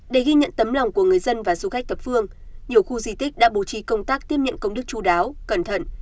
để ghi nhận tấm lòng của người dân và du khách thập phương nhiều khu di tích đã bố trí công tác tiếp nhận công đức chú đáo cẩn thận